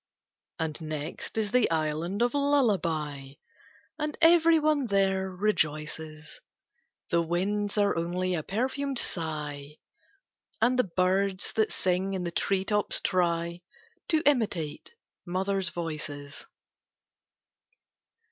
And next is the Island of Lullaby, And every one there rejoices. The winds are only a perfumed sigh, And the birds that sing in the treetops try To imitate Mothers' voices.